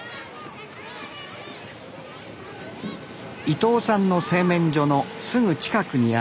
伊藤さんの製麺所のすぐ近くにある保育園。